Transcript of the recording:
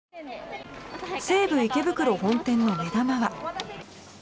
西武池袋本店の目玉は。